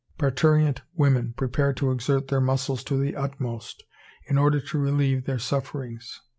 Parturient women prepare to exert their muscles to the utmost in order to relieve their sufferings.